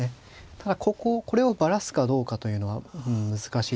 ただこれをバラすかどうかというのは難しいところで。